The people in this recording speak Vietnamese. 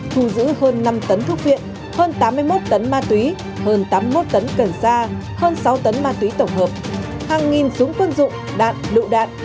thu giữ hơn năm tấn thuốc viện hơn tám mươi một tấn ma túy hơn tám mươi một tấn cần sa hơn sáu tấn ma túy tổng hợp hàng nghìn súng quân dụng đạn lựu đạn